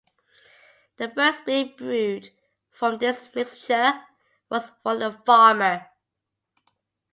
The first beer brewed from this mixture was for the farmer.